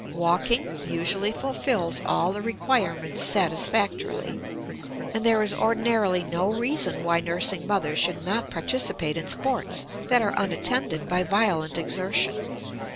Walking usually fulfils all the requirements satisfactorily, and there is ordinarily no reason why nursing mothers should not participate in sports that are unattended by violent exertion.